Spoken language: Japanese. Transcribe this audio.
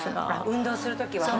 運動するときは。